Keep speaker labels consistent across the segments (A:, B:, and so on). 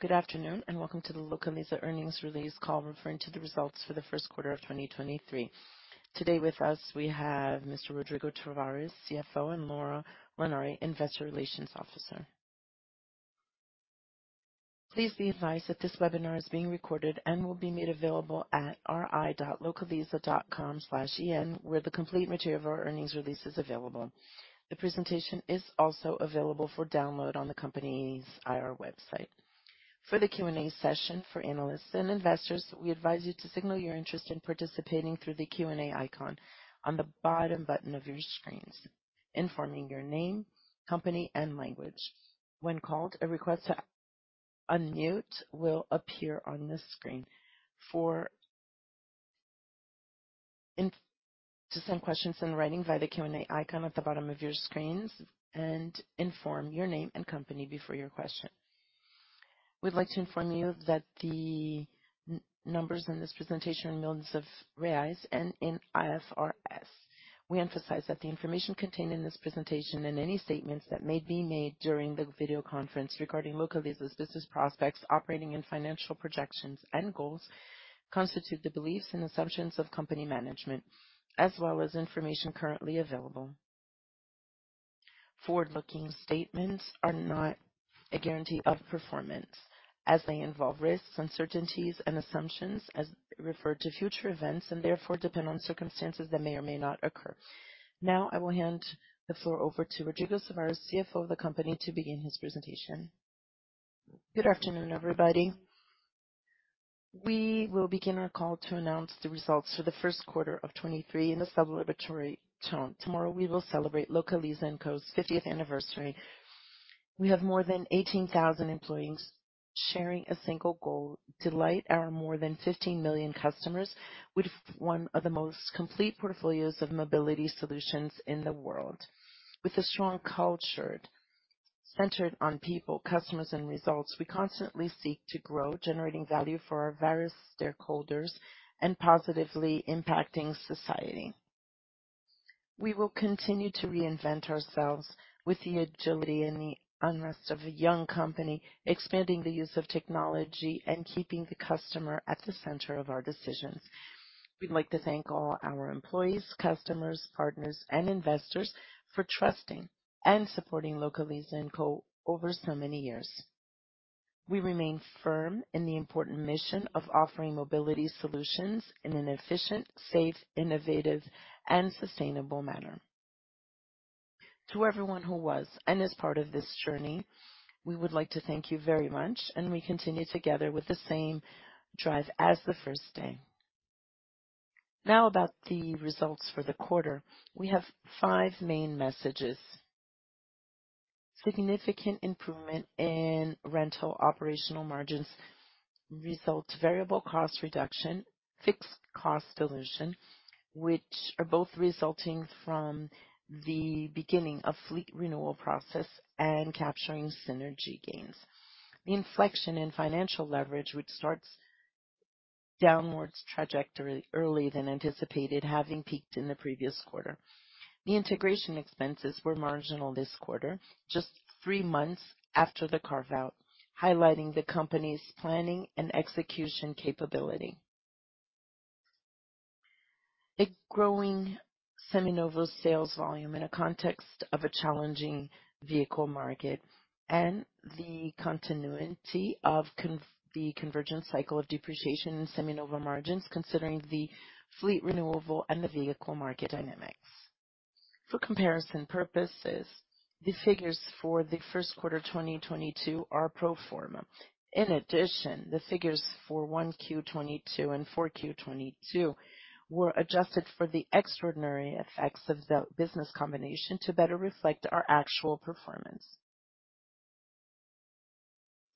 A: Good afternoon, and welcome to the Localiza earnings release call referring to the results for the first quarter of 2023. Today with us we have Mr. Rodrigo Tavares, CFO, and Nora Lanari, Investor Relations Officer. Please be advised that this webinar is being recorded and will be made available at ri.localiza.com/en, where the complete material of our earnings release is available. The presentation is also available for download on the company's IR website. For the Q&A session for analysts and investors, we advise you to signal your interest in participating through the Q&A icon on the bottom button of your screens, informing your name, company and language. To send questions in writing via the Q&A icon at the bottom of your screens and inform your name and company before your question. We'd like to inform you that the numbers in this presentation are in million reais and in IFRS. We emphasize that the information contained in this presentation and any statements that may be made during the video conference regarding Localiza's business prospects, operating and financial projections and goals constitute the beliefs and assumptions of company management, as well as information currently available. Forward-looking statements are not a guarantee of performance as they involve risks, uncertainties and assumptions as referred to future events, and therefore depend on circumstances that may or may not occur. I will hand the floor over to Rodrigo Tavares, CFO of the company, to begin his presentation.
B: Good afternoon, everybody. We will begin our call to announce the results for the first quarter of 2023 in a celebratory tone. Tomorrow, we will celebrate Localiza&Co's 50th anniversary. We have more than 18,000 employees sharing a single goal, delight our more than 15 million customers with one of the most complete portfolios of mobility solutions in the world. With a strong culture centered on people, customers and results, we constantly seek to grow, generating value for our various stakeholders and positively impacting society. We will continue to reinvent ourselves with the agility and the unrest of a young company, expanding the use of technology and keeping the customer at the center of our decisions. We'd like to thank all our employees, customers, partners and investors for trusting and supporting Localiza&Co over so many years. We remain firm in the important mission of offering mobility solutions in an efficient, safe, innovative and sustainable manner. To everyone who was and is part of this journey, we would like to thank you very much and we continue together with the same drive as the first day. Now about the results for the quarter. We have five main messages. Significant improvement in rental operational margins result variable cost reduction, fixed cost dilution, which are both resulting from the beginning of fleet renewal process and capturing synergy gains. The inflection in financial leverage, which starts downwards trajectory early than anticipated, having peaked in the previous quarter. The integration expenses were marginal this quarter, just three months after the carve-out, highlighting the company's planning and execution capability. A growing Seminova sales volume in a context of a challenging vehicle market and the continuity of the convergent cycle of depreciation in Seminova margins considering the fleet renewable and the vehicle market dynamics. For comparison purposes, the figures for the first quarter 2022 are pro forma. In addition, the figures for 1Q 2022 and 4Q 2022 were adjusted for the extraordinary effects of the business combination to better reflect our actual performance.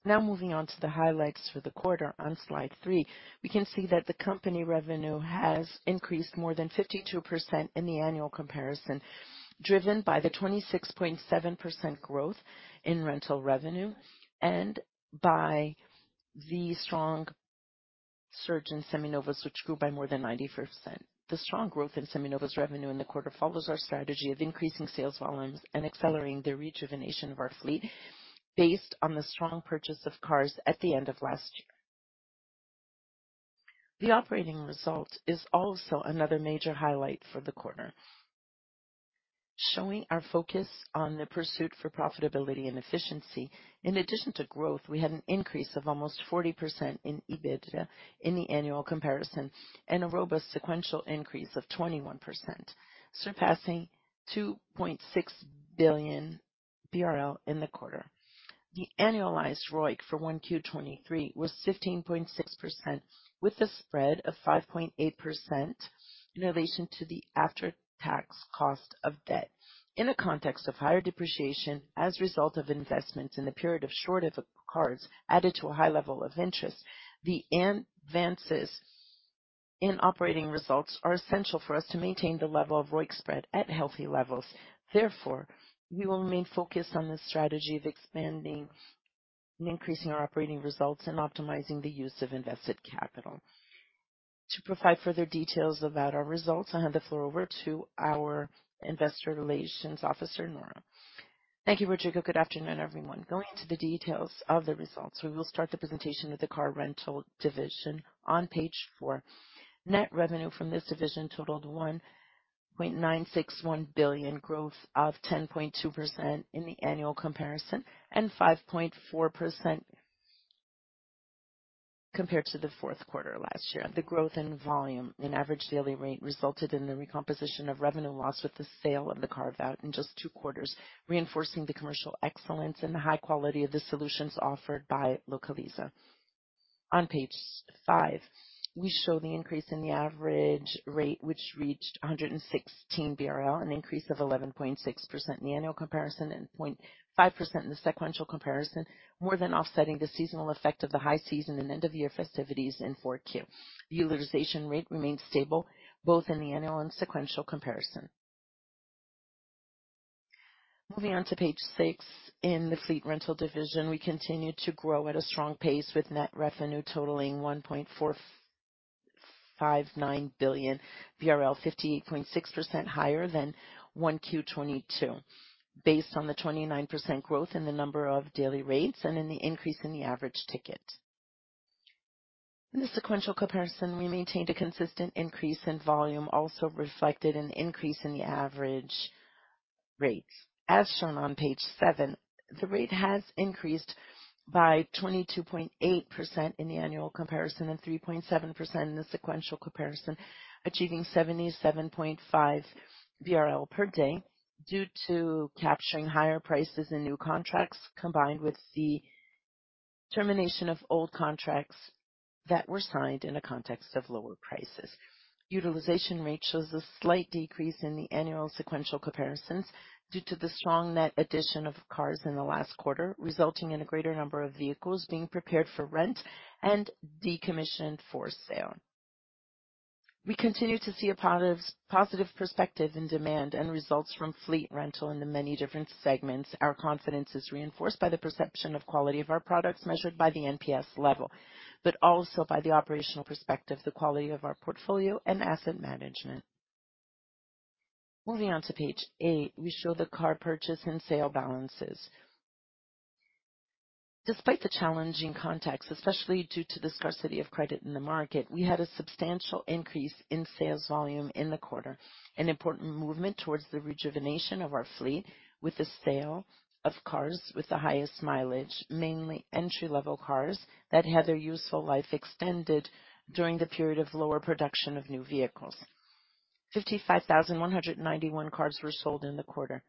B: Now moving on to the highlights for the quarter. On slide three, we can see that the company revenue has increased more than 52% in the annual comparison, driven by the 26.7% growth in rental revenue and by the strong surge in Seminovos, which grew by more than 94%. The strong growth in Seminovos revenue in the quarter follows our strategy of increasing sales volumes and accelerating the rejuvenation of our fleet based on the strong purchase of cars at the end of last year. The operating results is also another major highlight for the quarter, showing our focus on the pursuit for profitability and efficiency. In addition to growth, we had an increase of almost 40% in EBITDA in the annual comparison and a robust sequential increase of 21%, surpassing 2.6 billion BRL in the quarter. The annualized ROIC for 1Q 2023 was 15.6%, with a spread of 5.8% in relation to the after-tax cost of debt. In the context of higher depreciation as a result of investments in the period of shortage of cars added to a high level of interest, the advances in operating results are essential for us to maintain the level of ROIC spread at healthy levels. Therefore, we will remain focused on the strategy of expanding and increasing our operating results and optimizing the use of invested capital. To provide further details about our results, I hand the floor over to our Investor Relations Officer, Nora.
A: Thank you, Rodrigo. Good afternoon, everyone. Going to the details of the results, we will start the presentation with the car rental division on page four. Net revenue from this division totaled 1.961 billion, growth of 10.2% in the annual comparison and 5.4% compared to the fourth quarter last year. The growth in volume in average daily rate resulted in the recomposition of revenue loss with the sale of the carve-out in just two quarters, reinforcing the commercial excellence and the high quality of the solutions offered by Localiza. On page five, we show the increase in the average rate, which reached 116 BRL, an increase of 11.6% in the annual comparison and 0.5% in the sequential comparison, more than offsetting the seasonal effect of the high season and end of year festivities in 4Q. The utilization rate remains stable both in the annual and sequential comparison. Moving on to page six. In the fleet rental division, we continue to grow at a strong pace with net revenue totaling 1.459 billion, 58.6% higher than 1Q 2022, based on the 29% growth in the number of daily rates and in the increase in the average ticket. In the sequential comparison, we maintained a consistent increase in volume, also reflected an increase in the average rates. As shown on page seven, the rate has increased by 22.8% in the annual comparison and 3.7% in the sequential comparison, achieving 77.5 BRL per day due to capturing higher prices in new contracts, combined with the termination of old contracts that were signed in a context of lower prices. Utilization rate shows a slight decrease in the annual sequential comparisons due to the strong net addition of cars in the last quarter, resulting in a greater number of vehicles being prepared for rent and decommissioned for sale. We continue to see a positive perspective in demand and results from fleet rental in the many different segments. Our confidence is reinforced by the perception of quality of our products measured by the NPS level, but also by the operational perspective, the quality of our portfolio and asset management. Moving on to page eight, we show the car purchase and sale balances. Despite the challenging context, especially due to the scarcity of credit in the market, we had a substantial increase in sales volume in the quarter. An important movement towards the rejuvenation of our fleet with the sale of cars with the highest mileage, mainly entry-level cars that had their useful life extended during the period of lower production of new vehicles. 55,191 cars were sold in the quarter,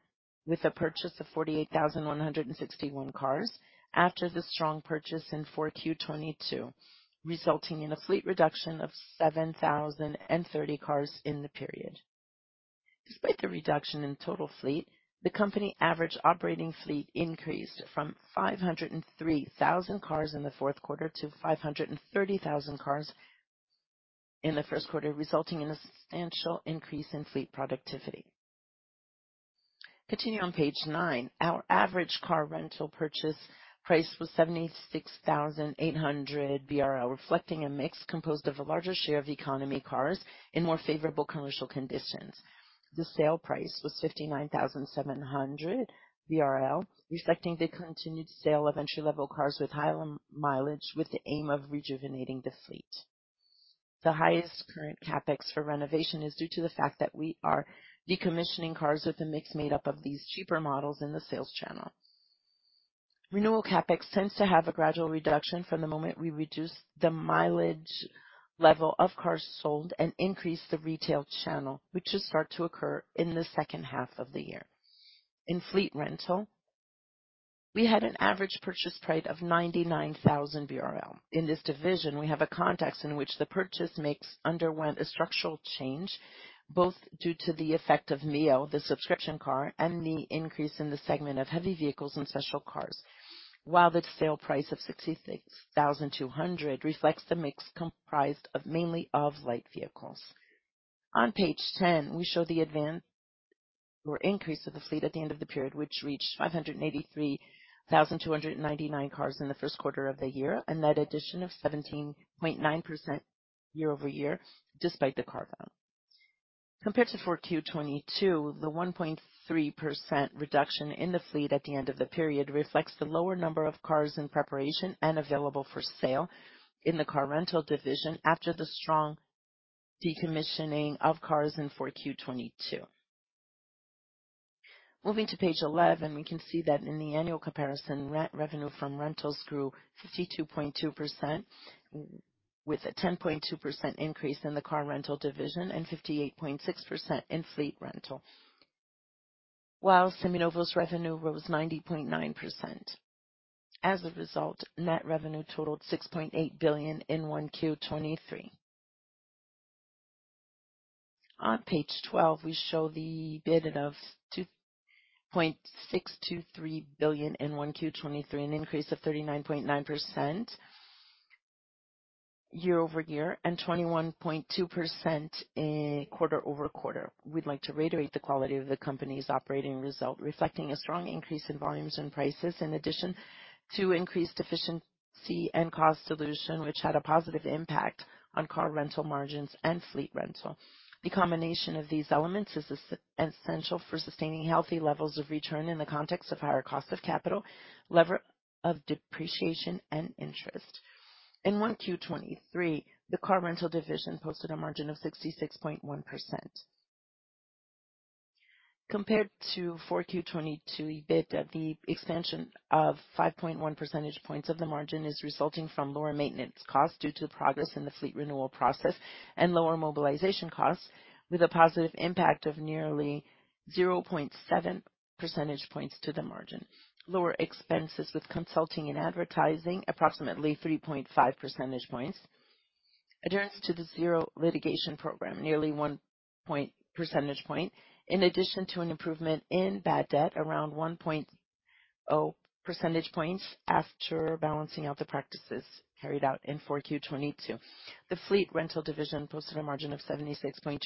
A: with a purchase of 48,161 cars after the strong purchase in 4Q22, resulting in a fleet reduction of 7,030 cars in the period. Despite the reduction in total fleet, the company average operating fleet increased from 503,000 cars in the fourth quarter to 530,000 cars in the first quarter, resulting in a substantial increase in fleet productivity. Continuing on page nine. Our average car rental purchase price was 76,800 BRL, reflecting a mix composed of a larger share of economy cars in more favorable commercial conditions. The sale price was 59,700 BRL, reflecting the continued sale of entry-level cars with higher mileage with the aim of rejuvenating the fleet. The highest current CapEx for renovation is due to the fact that we are decommissioning cars with a mix made up of these cheaper models in the sales channel. Renewal CapEx tends to have a gradual reduction from the moment we reduce the mileage level of cars sold and increase the retail channel, which will start to occur in the second half of the year. In fleet rental, we had an average purchase price of 99,000 BRL. In this division, we have a context in which the purchase makes underwent a structural change, both due to the effect of Localiza Meoo, the subscription car, and the increase in the segment of heavy vehicles and special cars. While the sale price of 66,200 reflects the mix comprised of mainly of light vehicles. On page 10, we show the advance or increase of the fleet at the end of the period, which reached 583,299 cars in the first quarter of the year, a net addition of 17.9% year-over-year, despite the car count. Compared to 4Q22, the 1.3% reduction in the fleet at the end of the period reflects the lower number of cars in preparation and available for sale in the car rental division after the strong decommissioning of cars in 4Q22. Moving to page 11, we can see that in the annual comparison, re-revenue from rentals grew 52.2%, with a 10.2% increase in the car rental division and 58.6% in fleet rental. While Seminovos' revenue rose 90.9%. As a result, net revenue totaled 6.8 billion in 1Q 2023. On page 12, we show the EBITDA of 2.623 billion in 1Q 2023, an increase of 39.9% year-over-year and 21.2% quarter-over-quarter. We'd like to reiterate the quality of the company's operating result, reflecting a strong increase in volumes and prices in addition to increased efficiency, See end cost solution, which had a positive impact on car rental margins and fleet rental. The combination of these elements is essential for sustaining healthy levels of return in the context of higher cost of capital, lever of depreciation and interest. In 1Q 2023, the car rental division posted a margin of 66.1%. Compared to 4Q 2022 EBIT, the expansion of 5.1 percentage points of the margin is resulting from lower maintenance costs due to progress in the fleet renewal process and lower mobilization costs, with a positive impact of nearly 0.7 percentage points to the margin. Lower expenses with consulting and advertising approximately 3.5 percentage points. Adherence to the Zero Litigation Program, nearly 1 percentage point, in addition to an improvement in bad debt around 1 percentage points after balancing out the practices carried out in 4Q 2022. The fleet rental division posted a margin of 76.2%,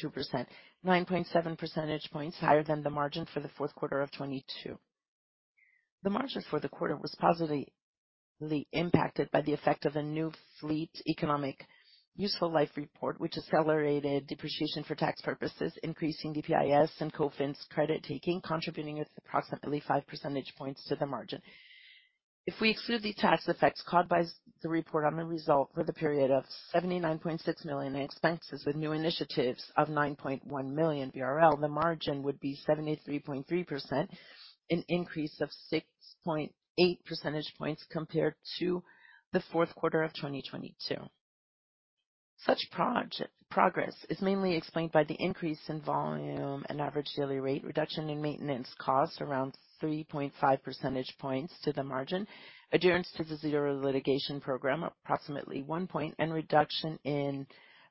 A: 9.7 percentage points higher than the margin for the 4Q 2022. The margin for the quarter was positively impacted by the effect of a new fleet economic useful life report, which accelerated depreciation for tax purposes, increasing DPIs and COFINS credit taking, contributing approximately 5 percentage points to the margin. We exclude the tax effects caused by the report on the result for the period of 79.6 million in expenses with new initiatives of 9.1 million BRL, the margin would be 73.3%, an increase of 6.8 percentage points compared to the fourth quarter of 2022. Such progress is mainly explained by the increase in volume and average daily rate reduction in maintenance costs around 3.5 percentage points to the margin, adherence to the Zero Litigation Program approximately 1 percentage point, and reduction in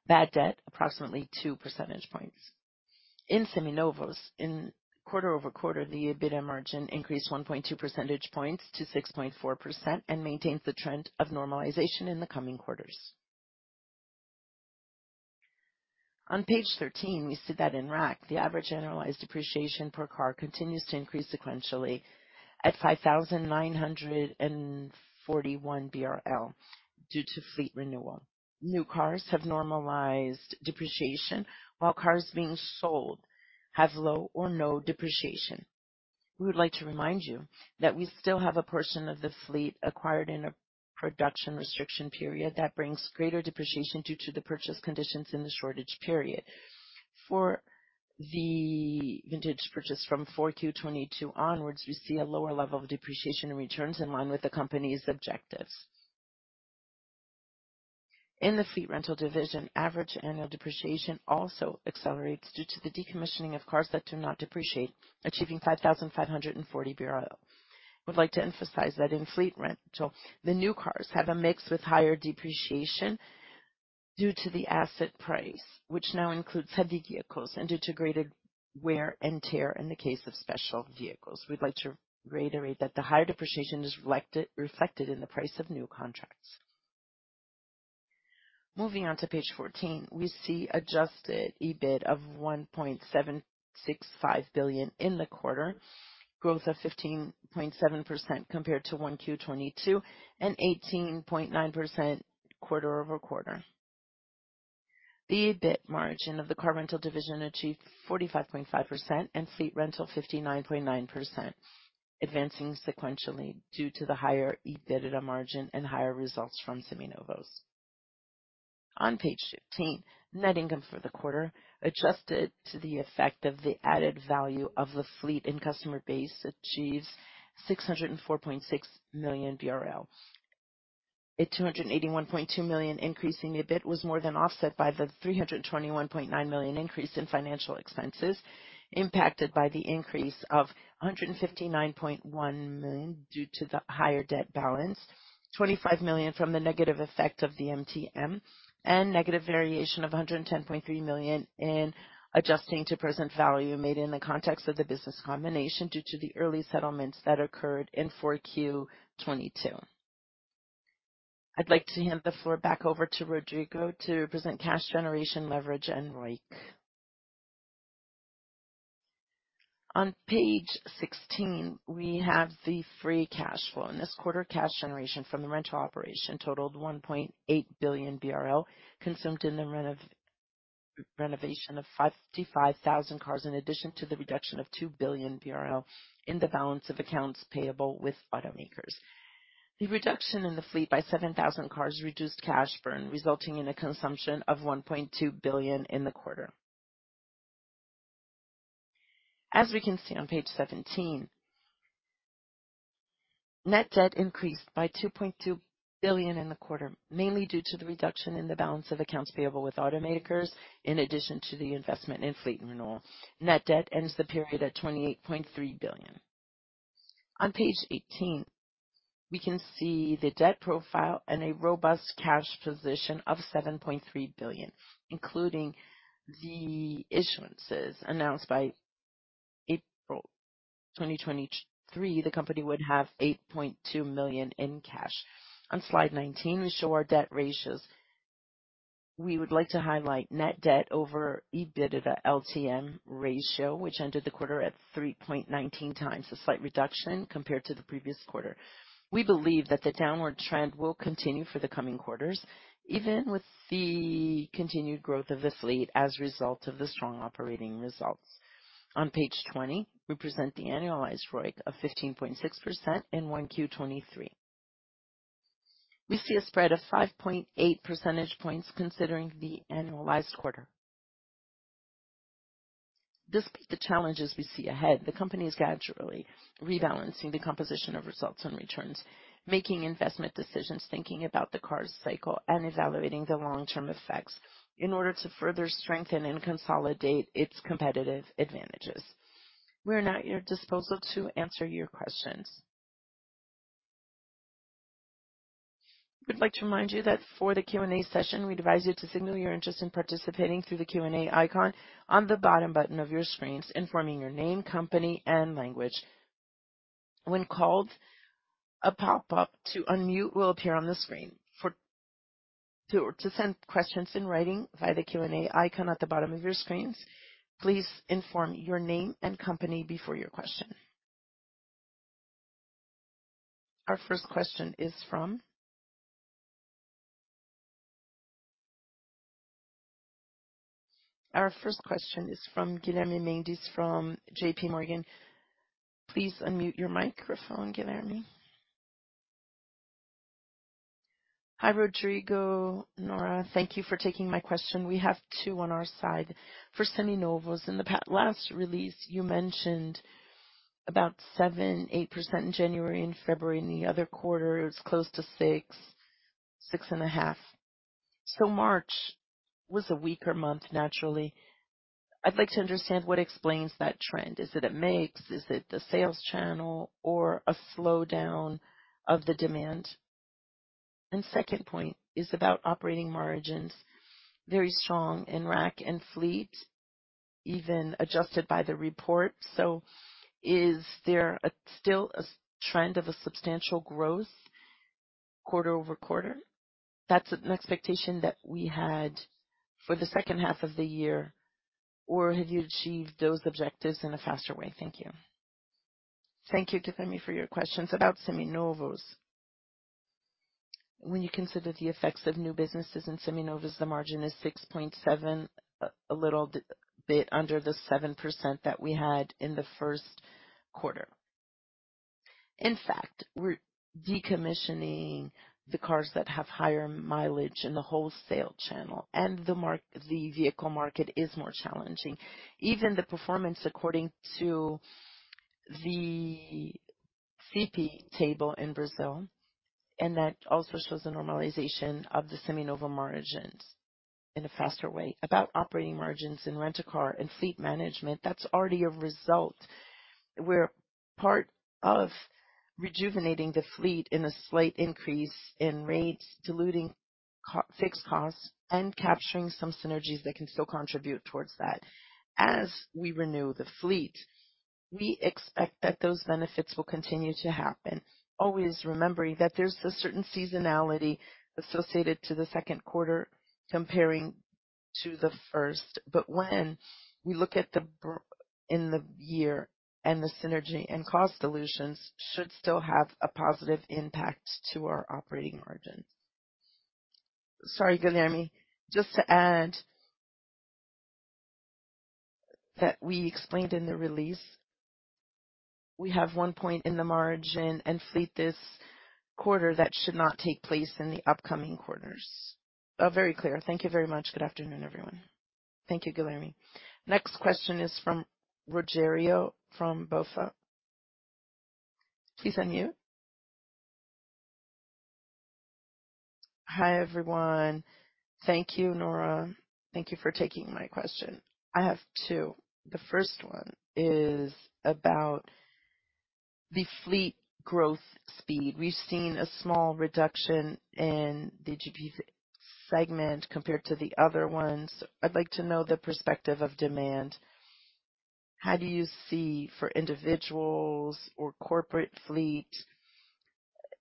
A: bad debt approximately 2 percentage points. In Seminovos, in quarter-over-quarter, the EBITDA margin increased 1.2 percentage points to 6.4% and maintains the trend of normalization in the coming quarters. On page 13, we see that in RAC, the average annualized depreciation per car continues to increase sequentially at 5,941 BRL due to fleet renewal. New cars have normalized depreciation, while cars being sold have low or no depreciation. We would like to remind you that we still have a portion of the fleet acquired in a production restriction period that brings greater depreciation due to the purchase conditions in the shortage period. For the vintage purchase from 4Q 2022 onwards, we see a lower level of depreciation and returns in line with the company's objectives. In the fleet rental division, average annual depreciation also accelerates due to the decommissioning of cars that do not depreciate, achieving 5,540. We'd like to emphasize that in fleet rental, the new cars have a mix with higher depreciation due to the asset price, which now includes heavy vehicles and due to greater wear and tear in the case of special vehicles. We'd like to reiterate that the higher depreciation is reflected in the price of new contracts. Moving on to page 14, we see adjusted EBIT of 1.765 billion in the quarter, growth of 15.7% compared to 1Q22 and 18.9% quarter-over-quarter. The EBIT margin of the car rental division achieved 45.5% and fleet rental 59.9%, advancing sequentially due to the higher EBITDA margin and higher results from Seminovos. On page 15, net income for the quarter, adjusted to the effect of the added value of the fleet and customer base, achieves 604.6 million BRL. A 281.2 million increase in EBIT was more than offset by the 321.9 million increase in financial expenses, impacted by the increase of 159.1 million due to the higher debt balance, 25 million from the negative effect of the MTM, and negative variation of 110.3 million in adjusting to present value made in the context of the business combination due to the early settlements that occurred in 4Q 2022. I'd like to hand the floor back over to Rodrigo to present cash generation leverage and ROIC.
B: On page 16, we have the free cash flow. In this quarter, cash generation from the rental operation totaled 1.8 billion BRL, consumed in the renovation of 55,000 cars, in addition to the reduction of 2 billion in the balance of accounts payable with automakers. The reduction in the fleet by 7,000 cars reduced cash burn, resulting in a consumption of 1.2 billion in the quarter. As we can see on page 17, net debt increased by 2.2 billion in the quarter, mainly due to the reduction in the balance of accounts payable with automakers, in addition to the investment in fleet renewal. Net debt ends the period at 28.3 billion. On page 18, we can see the debt profile and a robust cash position of 7.3 billion, including the issuances announced by April 2023. The company would have 8.2 million in cash. On slide 19, we show our debt ratios. We would like to highlight net debt over EBITDA LTM ratio, which ended the quarter at 3.19x, a slight reduction compared to the previous quarter. We believe that the downward trend will continue for the coming quarters, even with the continued growth of the fleet as a result of the strong operating results. On page 20, we present the annualized ROIC of 15.6% in 1Q 2023. We see a spread of 5.8 percentage points considering the annualized quarter. Despite the challenges we see ahead, the company is gradually rebalancing the composition of results and returns, making investment decisions, thinking about the cars cycle and evaluating the long-term effects in order to further strengthen and consolidate its competitive advantages. We're now at your disposal to answer your questions.
A: We'd like to remind you that for the Q&A session, we advise you to signal your interest in participating through the Q&A icon on the bottom button of your screens, informing your name, company and language. When called, a pop-up to unmute will appear on the screen. To send questions in writing via the Q&A icon at the bottom of your screens, please inform your name and company before your question. Our first question is from Guilherme Mendes from JPMorgan. Please unmute your microphone, Guilherme.
C: Hi, Rodrigo. Nora. Thank you for taking my question. We have two on our side. For Seminovos. In the last release you mentioned about 7%, 8% in January and February. In the other quarter, it was close to 6%, 6.5%. March was a weaker month, naturally. I'd like to understand what explains that trend. Is it a mix? Is it the sales channel or a slowdown of the demand? Second point is about operating margins. Very strong in RAC and fleet, even adjusted by the report. Is there still a trend of a substantial growth quarter-over-quarter? That's an expectation that we had for the second half of the year. Have you achieved those objectives in a faster way? Thank you.
B: Thank you, Guilherme, for your questions. About Seminovos. When you consider the effects of new businesses in Seminovos, the margin is 6.7%, a little bit under the 7% that we had in the first quarter. In fact, we're decommissioning the cars that have higher mileage in the wholesale channel, and the vehicle market is more challenging. The performance according to the Fipe table in Brazil, that also shows the normalization of the Seminovos margins in a faster way. About operating margins in rent-a-car and fleet management, that's already a result where part of rejuvenating the fleet in a slight increase in rates, diluting fixed costs, and capturing some synergies that can still contribute towards that. As we renew the fleet, we expect that those benefits will continue to happen. Always remembering that there's a certain seasonality associated to the second quarter comparing to the first. When we look at the in the year and the synergy and cost dilutions should still have a positive impact to our operating margin.
A: Sorry, Guilherme. Just to add. We explained in the release, we have 1 point in the margin and fleet this quarter that should not take place in the upcoming quarters.
C: Oh, very clear. Thank you very much. Good afternoon, everyone.
B: Thank you, Guilherme.
A: Next question is from Rogerio from BofA. Please unmute.
D: Hi, everyone. Thank you, Nora. Thank you for taking my question. I have two. The first one is about the fleet growth speed. We've seen a small reduction in the GP segment compared to the other ones. I'd like to know the perspective of demand. How do you see for individuals or corporate fleet,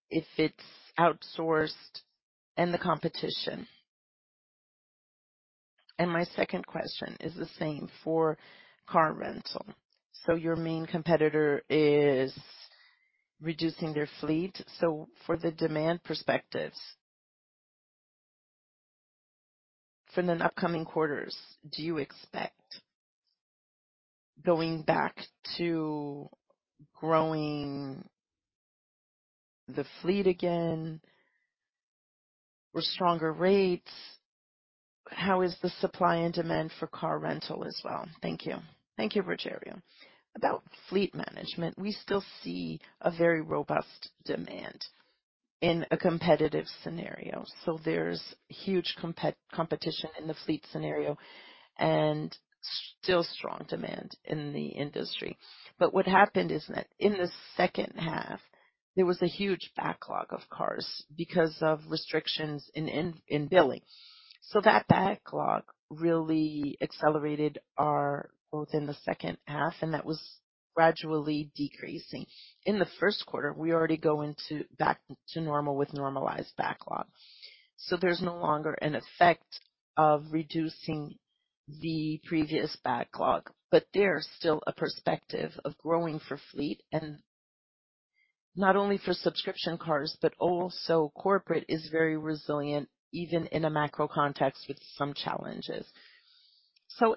D: if it's outsourced and the competition? My second question is the same for car rental. Your main competitor is reducing their fleet. For the demand perspectives. For the upcoming quarters, do you expect going back to growing the fleet again with stronger rates? How is the supply and demand for car rental as well? Thank you.
B: Thank you, Rogerio. About fleet management, we still see a very robust demand in a competitive scenario. There's huge competition in the fleet scenario and still strong demand in the industry. What happened is that in the second half, there was a huge backlog of cars because of restrictions in billing. That backlog really accelerated both in the second half, and gradually decreasing. In the first quarter, we already go into back to normal with normalized backlog, there's no longer an effect of reducing the previous backlog. There's still a perspective of growing for fleet and not only for subscription cars, also corporate is very resilient, even in a macro context with some challenges.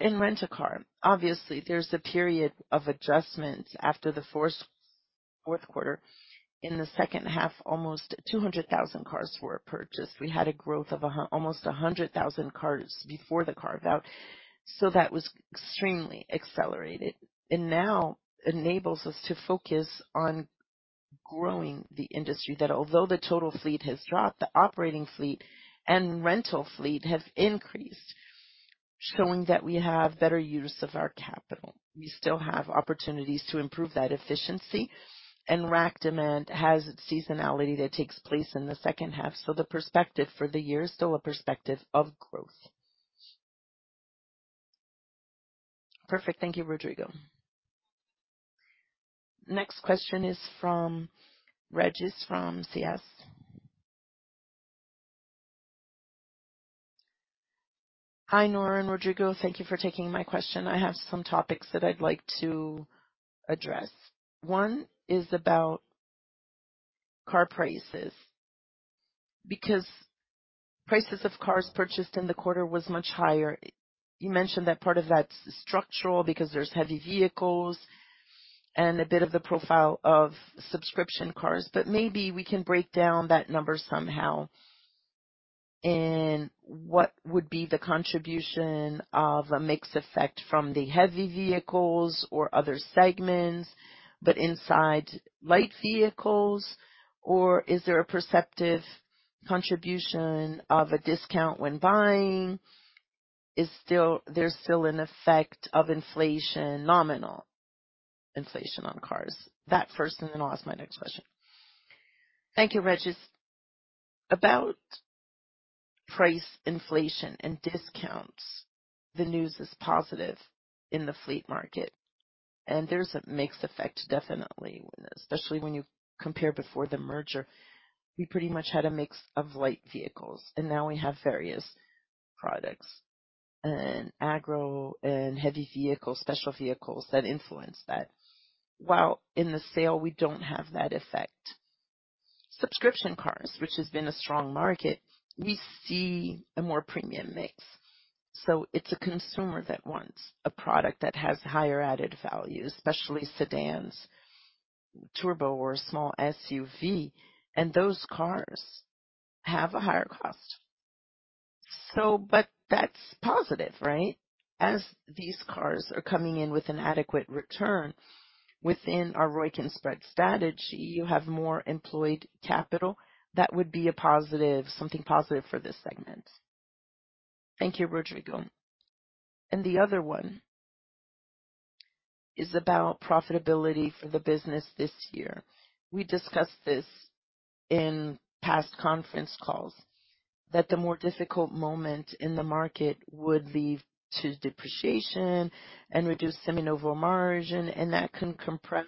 B: In rent-a-car, obviously there's a period of adjustment after the fourth quarter. In the second half, almost 200,000 cars were purchased. We had a growth of almost 100,000 cars before the carve-out. That was extremely accelerated and now enables us to focus on growing the industry that although the total fleet has dropped, the operating fleet and rental fleet have increased, showing that we have better use of our capital. We still have opportunities to improve that efficiency. RAC demand has seasonality that takes place in the second half. The perspective for the year is still a perspective of growth.
D: Perfect. Thank you, Rodrigo.
A: Next question is from Regis from CS.
E: Hi, Nora and Rodrigo. Thank you for taking my question. I have some topics that I'd like to address. One is about car prices, because prices of cars purchased in the quarter was much higher. You mentioned that part of that's structural because there's heavy vehicles and a bit of the profile of subscription cars, but maybe we can break down that number somehow. What would be the contribution of a mix effect from the heavy vehicles or other segments, but inside light vehicles? Is there a perceptive contribution of a discount when buying? There's still an effect of inflation, nominal inflation on cars. That first. Then I'll ask my next question.
B: Thank you, Regis. About price inflation and discounts, the news is positive in the fleet market, and there's a mixed effect, definitely, especially when you compare before the merger, we pretty much had a mix of light vehicles and now we have various products and agro and heavy vehicles, special vehicles that influence that, while in the sale, we don't have that effect. Subscription cars, which has been a strong market, we see a more premium mix. It's a consumer that wants a product that has higher added value, especially sedans, turbo or small SUV. Those cars have a higher cost. That's positive, right? As these cars are coming in with an adequate return within our ROIC and spread strategy, you have more employed capital. That would be a positive, something positive for this segment.
E: Thank you, Rodrigo. The other one is about profitability for the business this year. We discussed this in past conference calls that the more difficult moment in the market would lead to depreciation and reduce Seminovos margin, and that can compress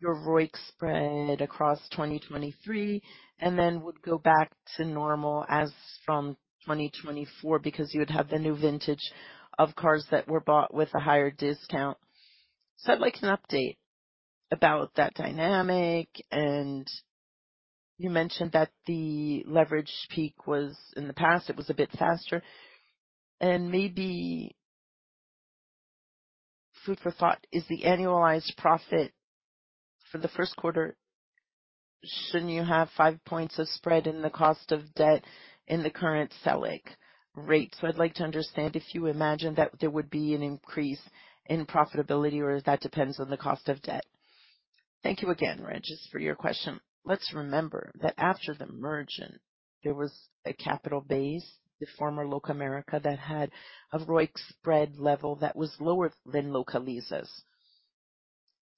E: your ROIC spread across 2023 and then would go back to normal as from 2024 because you would have the new vintage of cars that were bought with a higher discount. I'd like an update about that dynamic. You mentioned that the leverage peak was in the past, it was a bit faster. Maybe food for thought, is the annualized profit for the first quarter, shouldn't you have five points of spread in the cost of debt in the current Selic rate? I'd like to understand if you imagine that there would be an increase in profitability or if that depends on the cost of debt.
B: Thank you again, Regis, for your question. Let's remember that after the merger, there was a capital base, the former Locamerica, that had a ROIC spread level that was lower than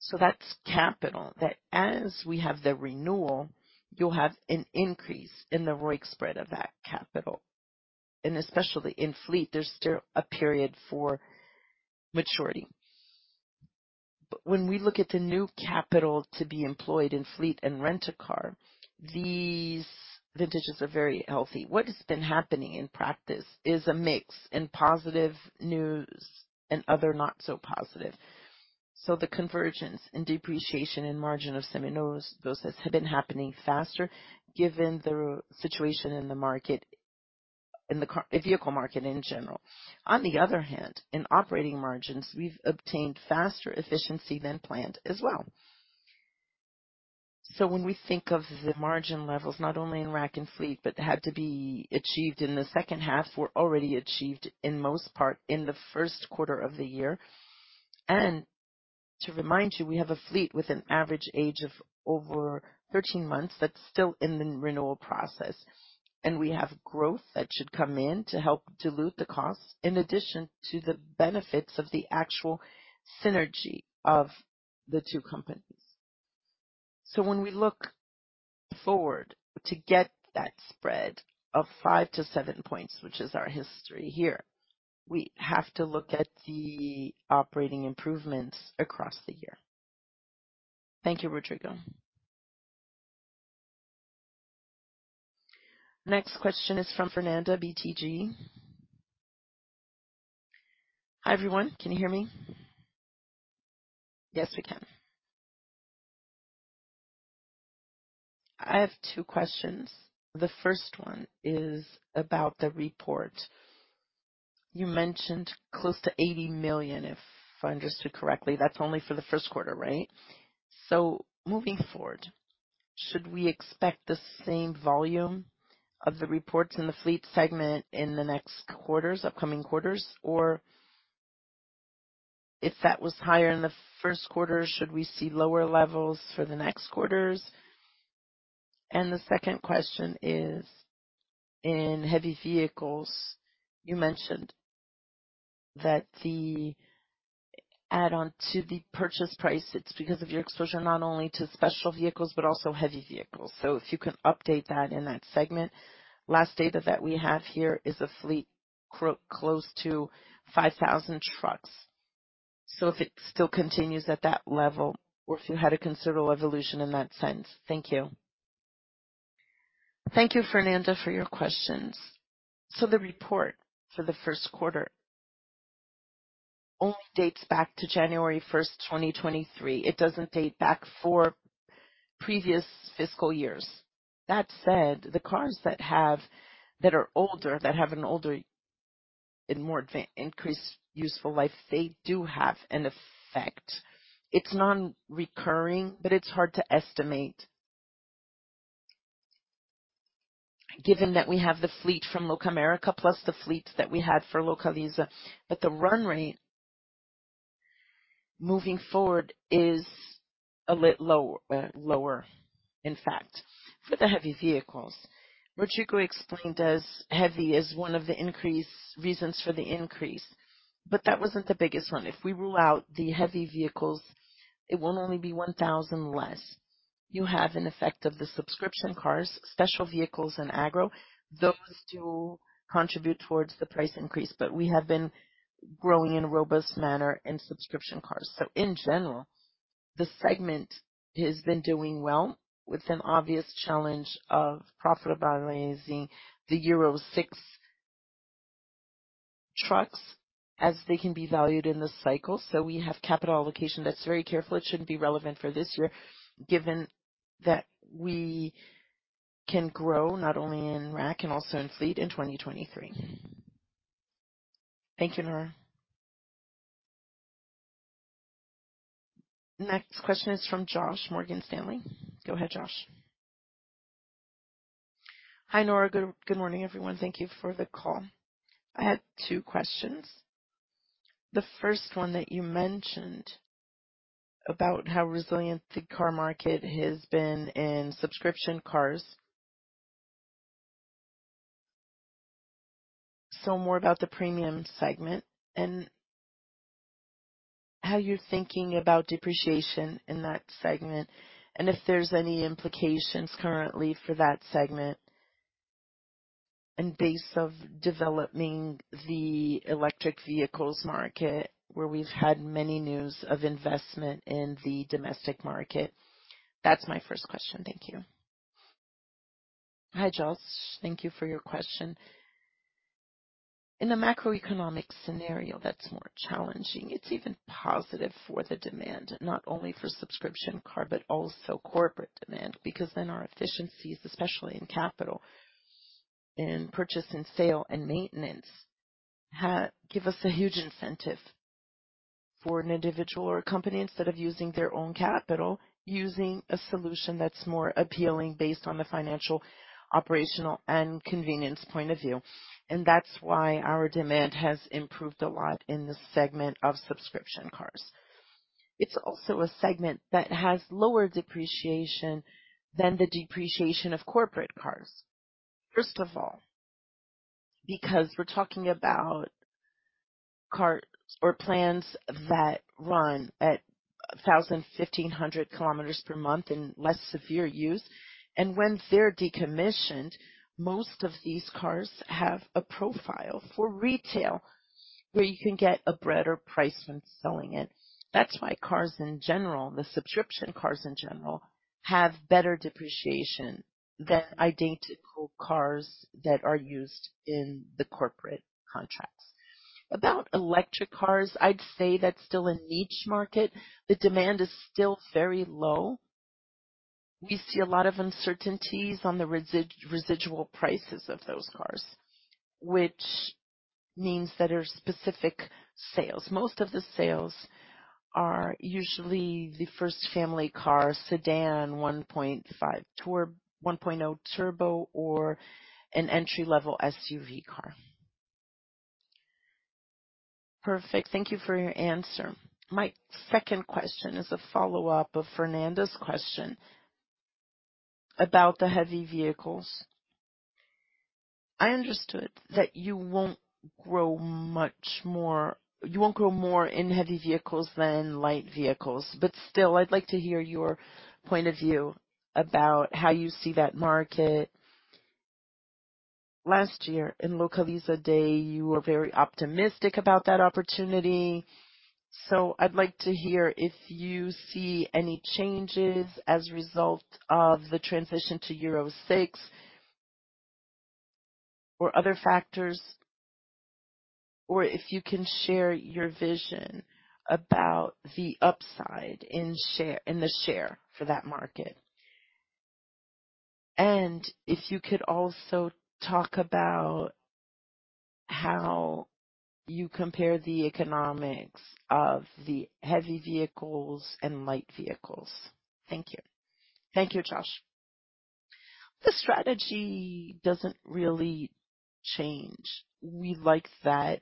B: Localiza's. That's capital, that as we have the renewal, you'll have an increase in the ROIC spread of that capital. Especially in fleet, there's still a period for maturity. When we look at the new capital to be employed in fleet and rent-a-car, these vintages are very healthy. What has been happening in practice is a mix in positive news and other not so positive. The convergence and depreciation in margin of Seminovos, those have been happening faster given the situation in the vehicle market in general. On the other hand, in operating margins, we've obtained faster efficiency than planned as well. When we think of the margin levels not only in RAC and fleet, but had to be achieved in the second half, were already achieved in most part in the first quarter of the year. To remind you, we have a fleet with an average age of over 13 months that's still in the renewal process. We have growth that should come in to help dilute the costs in addition to the benefits of the actual synergy of the two companies. When we look forward to get that spread of five to seven points, which is our history here, we have to look at the operating improvements across the year.
E: Thank you, Rodrigo.
A: Next question is from Fernanda, BTG.
F: Hi, everyone. Can you hear me?
B: Yes, we can.
F: I have two questions. The 1st one is about the report. You mentioned close to 80 million, if I understood correctly. That's only for the 1st quarter, right? Moving forward, should we expect the same volume of the reports in the fleet segment in the next quarters, upcoming quarters? Or if that was higher in the 1st quarter, should we see lower levels for the next quarters? The second question is, in heavy vehicles, you mentioned that the add-on to the purchase price, it's because of your exposure not only to special vehicles but also heavy vehicles. If you can update that in that segment. Last data that we have here is a fleet close to 5,000 trucks. If it still continues at that level or if you had a considerable evolution in that sense. Thank you.
A: Thank you, Fernanda, for your questions. The report for the first quarter only dates back to January 1st, 2023. It doesn't date back for previous fiscal years. That said, the cars that are older, that have an older and more increased useful life, they do have an effect. It's non-recurring, but it's hard to estimate. Given that we have the fleet from Locamerica plus the fleet that we had for Localiza, the run rate moving forward is a lit low, lower, in fact, for the heavy vehicles. Rodrigo explained as heavy as one of the reasons for the increase, that wasn't the biggest one. If we rule out the heavy vehicles, it will only be 1,000 less. You have an effect of the subscription cars, special vehicles, and agro. Those do contribute towards the price increase. We have been growing in a robust manner in subscription cars. In general, the segment has been doing well with an obvious challenge of profitabilizing the Euro 6 trucks as they can be valued in the cycle. We have capital allocation that's very careful. It shouldn't be relevant for this year, given that we can grow not only in RAC and also in fleet in 2023.
F: Thank you, Nora.
A: Next question is from Josh, Morgan Stanley.
G: Go ahead, Josh. Hi, Nora. Good morning, everyone. Thank you for the call. I had two questions. The first one that you mentioned about how resilient the car market has been in subscription cars. More about the premium segment and how you're thinking about depreciation in that segment, and if there's any implications currently for that segment. Base of developing the electric vehicles market, where we've had many news of investment in the domestic market. That's my first question. Thank you.
B: Hi, Josh. Thank you for your question. In a macroeconomic scenario that's more challenging, it's even positive for the demand, not only for subscription car, but also corporate demand, because then our efficiencies, especially in capital and purchase and sale and maintenance, give us a huge incentive for an individual or a company, instead of using their own capital, using a solution that's more appealing based on the financial, operational, and convenience point of view. That's why our demand has improved a lot in the segment of subscription cars. It's also a segment that has lower depreciation than the depreciation of corporate cars. First of all, because we're talking about cars or plans that run at 1,000, 1,500 km per month in less severe use. When they're decommissioned, most of these cars have a profile for retail, where you can get a better price when selling it. That's why cars in general, the subscription cars in general, have better depreciation than identical cars that are used in the corporate contracts. About electric cars, I'd say that's still a niche market. The demand is still very low. We see a lot of uncertainties on the residual prices of those cars, which means that are specific sales. Most of the sales are usually the first family car, sedan, 1.0 turbo or an entry-level SUV car.
G: Perfect. Thank you for your answer. My second question is a follow-up of Fernanda's question about the heavy vehicles. I understood that you won't grow more in heavy vehicles than light vehicles, still, I'd like to hear your point of view about how you see that market. Last year in Localiza Day, you were very optimistic about that opportunity, so I'd like to hear if you see any changes as a result of the transition to Euro 6 or other factors, or if you can share your vision about the upside in the share for that market. If you could also talk about how you compare the economics of the heavy vehicles and light vehicles. Thank you.
B: Thank you, Josh. The strategy doesn't really change. We like that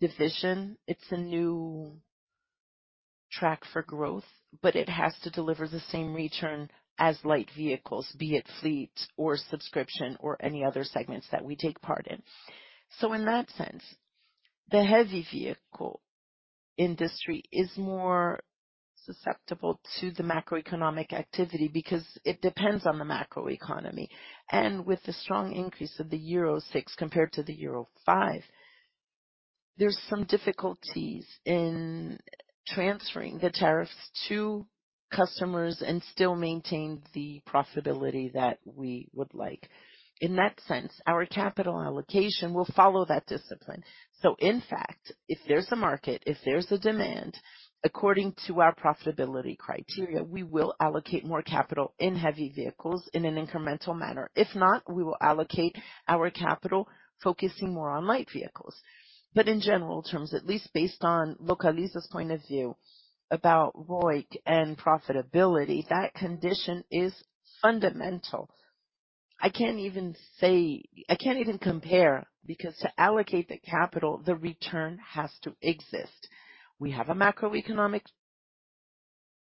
B: division. It's a new track for growth, but it has to deliver the same return as light vehicles, be it fleet or subscription or any other segments that we take part in. In that sense, the heavy vehicle industry is more susceptible to the macroeconomic activity because it depends on the macroeconomy. With the strong increase of the Euro 6 compared to the Euro 5, there's some difficulties in transferring the tariffs to customers and still maintain the profitability that we would like. In that sense, our capital allocation will follow that discipline. In fact, if there's a market, if there's a demand according to our profitability criteria, we will allocate more capital in heavy vehicles in an incremental manner. If not, we will allocate our capital focusing more on light vehicles. In general terms, at least based on Localiza's point of view about ROIC and profitability, that condition is fundamental. I can't even compare, because to allocate the capital, the return has to exist. We have a macroeconomic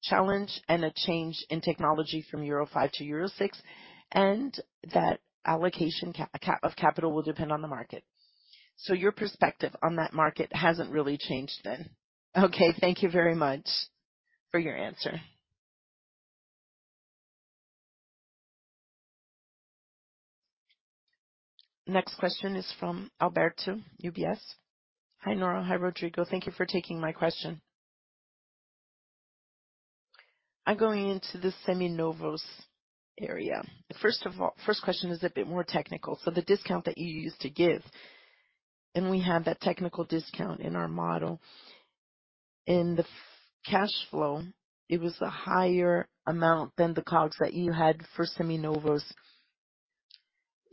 B: challenge and a change in technology from Euro 5 to Euro 6, and that allocation of capital will depend on the market. Your perspective on that market hasn't really changed then.
G: Okay, thank you very much for your answer.
A: Next question is from Alberto, UBS.
H: Hi, Nora. Hi, Rodrigo. Thank you for taking my question. I'm going into the Seminovos area. First question is a bit more technical. The discount that you used to give, and we have that technical discount in our model. In the cash flow, it was a higher amount than the COGS that you had for Seminovos.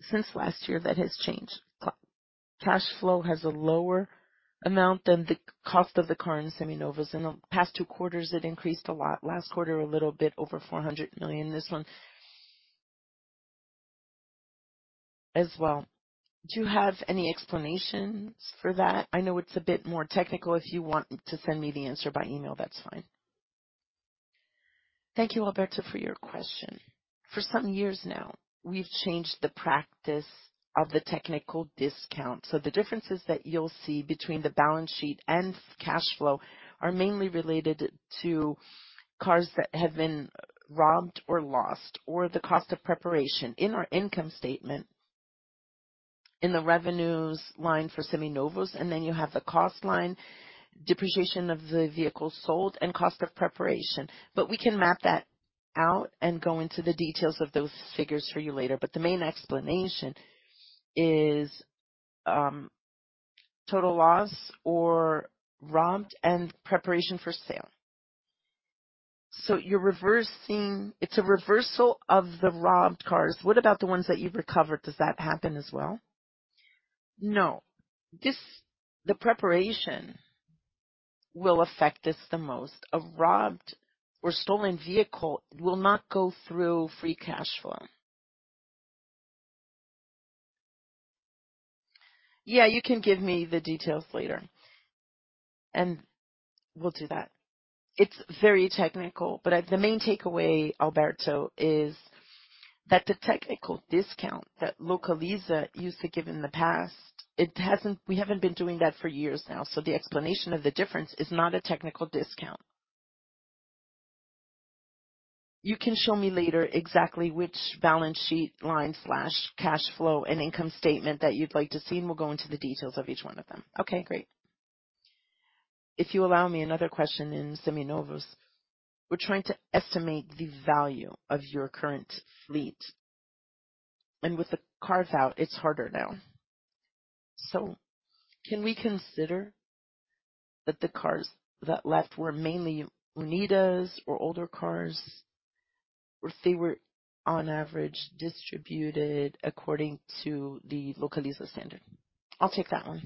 H: Since last year that has changed. Cash flow has a lower amount than the cost of the car in Seminovos. In the past two quarters, it increased a lot. Last quarter, a little bit over 400 million. This one as well. Do you have any explanations for that? I know it's a bit more technical. If you want to send me the answer by email, that's fine.
B: Thank you, Alberto, for your question. For some years now, we've changed the practice of the technical discount. The differences that you'll see between the balance sheet and cash flow are mainly related to cars that have been robbed or lost, or the cost of preparation in our income statement in the revenues line for Seminovos, and then you have the cost line depreciation of the vehicle sold and cost of preparation. We can map that out and go into the details of those figures for you later. The main explanation is total loss or robbed and preparation for sale.
H: You're reversing. It's a reversal of the robbed cars. What about the ones that you've recovered? Does that happen as well?
B: No. The preparation will affect us the most. A robbed or stolen vehicle will not go through free cash flow.
H: Yeah, you can give me the details later.
B: We'll do that. It's very technical, but the main takeaway, Alberto, is that the technical discount that Localiza used to give in the past, we haven't been doing that for years now, so the explanation of the difference is not a technical discount. You can show me later exactly which balance sheet line/cash flow and income statement that you'd like to see, and we'll go into the details of each one of them.
H: Okay, great. If you allow me another question in Seminovos. We're trying to estimate the value of your current fleet and with the cars out, it's harder now. Can we consider that the cars that left were mainly Unidas or older cars or if they were on average distributed according to the Localiza standard?
A: I'll take that one.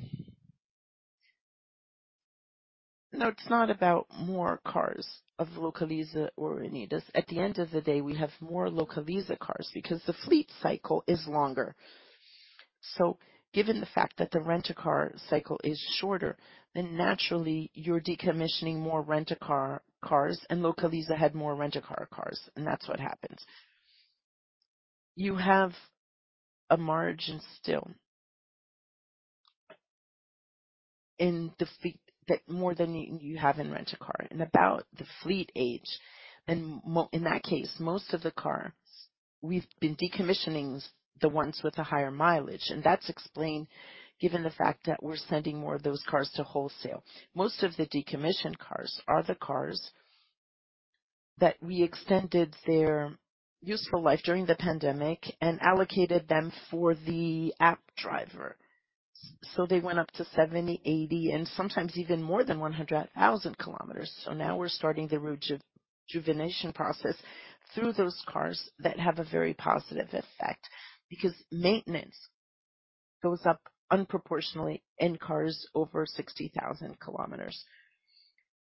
A: No, it's not about more cars of Localiza or Unidas. At the end of the day, we have more Localiza cars because the fleet cycle is longer. Given the fact that the Rent-a-Car cycle is shorter, then naturally you're decommissioning more Rent-a-Car cars and Localiza had more Rent-a-Car cars and that's what happens. You have a margin still in the fleet that more than you have in Rent-a-Car and about the fleet age in that case, most of the cars we've been decommissioning the ones with a higher mileage. That's explained given the fact that we're sending more of those cars to wholesale. Most of the decommissioned cars are the cars that we extended their useful life during the pandemic and allocated them for the app driver. They went up to 70,000, 80,000, and sometimes even more than 100,000 kilometers. Now we're starting the rejuvenation process through those cars that have a very positive effect because maintenance goes up unproportionally in cars over 60,000 km.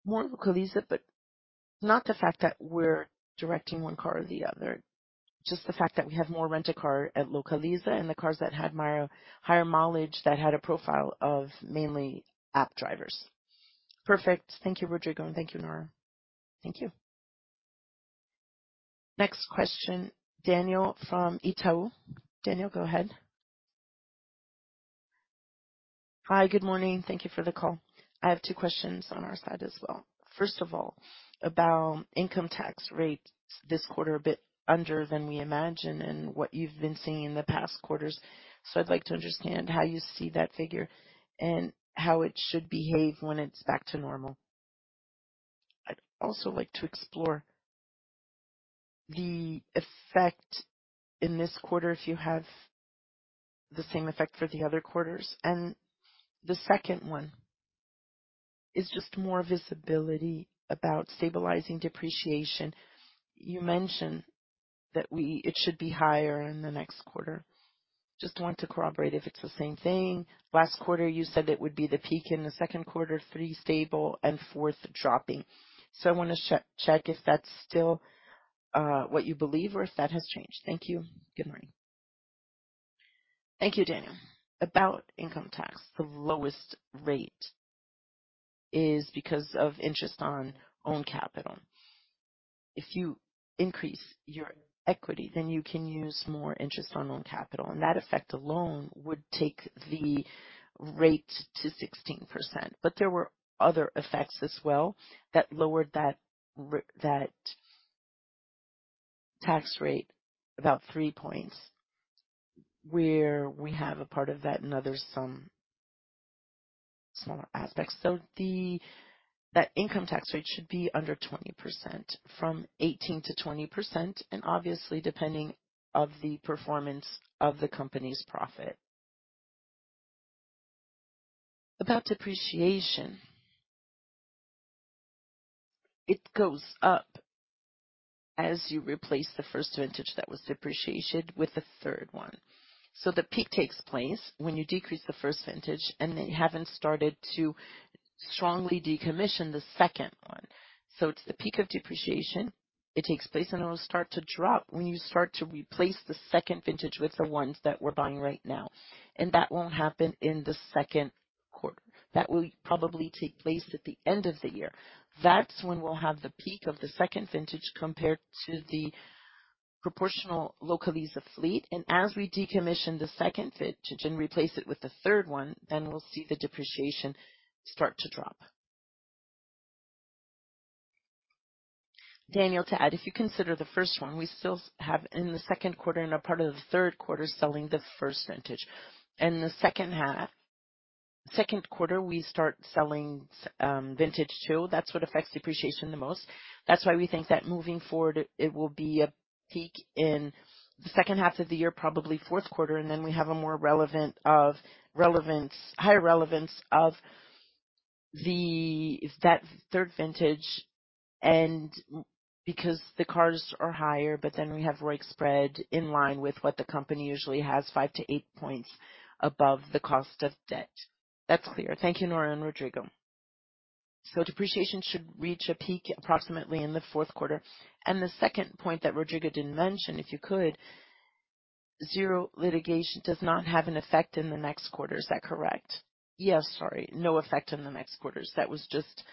A: More Localiza, not the fact that we're directing one car or the other, just the fact that we have more Rent-a-Car at Localiza and the cars that had higher mileage that had a profile of mainly app drivers.
H: Perfect. Thank you, Rodrigo, and thank you, Nora.
A: Thank you. Next question, Daniel from Itaú. Daniel, go ahead.
I: Hi, good morning. Thank you for the call. I have two questions on our side as well. First of all, about income tax rates this quarter, a bit under than we imagined and what you've been seeing in the past quarters. I'd like to understand how you see that figure and how it should behave when it's back to normal. I'd also like to explore the effect in this quarter if you have the same effect for the other quarters. The second one is just more visibility about stabilizing depreciation. You mentioned that it should be higher in the next quarter. Just want to corroborate if it's the same thing. Last quarter, you said it would be the peak in the second quarter, three stable and fourth dropping. I wanna check if that's still what you believe or if that has changed. Thank you.
B: Good morning. Thank you, Daniel. About income tax, the lowest rate is because of interest on own capital. If you increase your equity, you can use more interest on own capital, and that effect alone would take the rate to 16%. There were other effects as well that lowered that tax rate about 3 points, where we have a part of that and other some smaller aspects. That income tax rate should be under 20%, from 18%-20%, and obviously depending of the performance of the company's profit. About depreciation, it goes up as you replace the first vintage that was depreciated with the third one. The peak takes place when you decrease the first vintage and then you haven't started to strongly decommission the second one. It's the peak of depreciation. It takes place, it will start to drop when you start to replace the second vintage with the ones that we're buying right now. That won't happen in the second quarter. That will probably take place at the end of the year. That's when we'll have the peak of the second vintage compared to the proportional Localiza fleet. As we decommission the second vintage and replace it with the third one, we'll see the depreciation start to drop. Daniel, to add, if you consider the first one, we still have in the second quarter and a part of the third quarter selling the first vintage. In the second quarter, we start selling vintage 2. That's what affects depreciation the most. That's why we think that moving forward, it will be a peak in the second half of the year, probably fourth quarter. We have higher relevance of the third vintage because the cars are higher. We have ROIC spread in line with what the company usually has, 5 to 8 points above the cost of debt.
I: That's clear. Thank you, Nora and Rodrigo. Depreciation should reach a peak approximately in the fourth quarter. The second point that Rodrigo didn't mention, if you could, Zero Litigation does not have an effect in the next quarter. Is that correct?
B: Yes. Sorry. No effect in the next quarters. That was just